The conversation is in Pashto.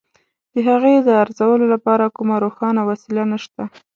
د هغې د ارزولو لپاره کومه روښانه وسیله نشته.